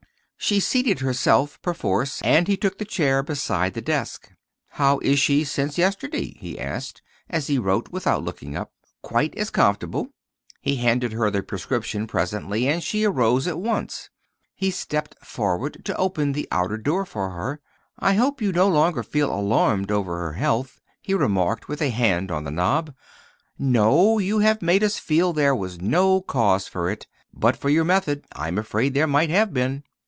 She seated herself perforce, and he took the chair beside the desk. "How is she since yesterday?" he asked, as he wrote, without looking up. "Quite as comfortable." He handed her the prescription presently, and she arose at once. He stepped forward to open the outer door for her. "I hope you no longer feel alarmed over her health," he remarked, with a hand on the knob. "No; you have made us feel there was no cause for it. But for your method I am afraid there might have been."